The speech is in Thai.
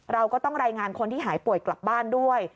เราก็ต้องรายงานคนที่หายป่วยกลับบ้านด้วย